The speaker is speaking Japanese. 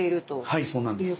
はいそうなんです。